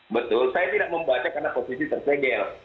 betul saya tidak membaca karena posisi tersegel